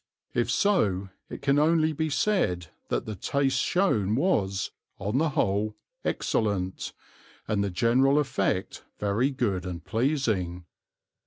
If so, it can only be said that the taste shown was, on the whole, excellent, and the general effect very good and pleasing.